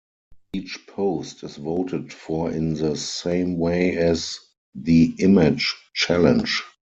Each post is voted for in the same way as the image challenge.